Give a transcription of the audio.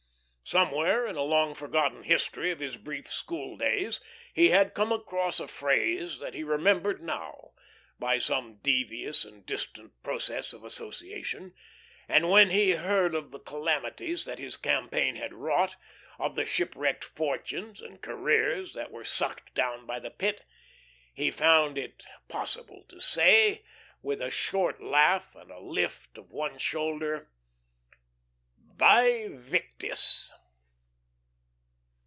Somewhere, in a long forgotten history of his brief school days, he had come across a phrase that he remembered now, by some devious and distant process of association, and when he heard of the calamities that his campaign had wrought, of the shipwrecked fortunes and careers that were sucked down by the Pit, he found it possible to say, with a short laugh, and a lift of one shoulder: _"Vae victis."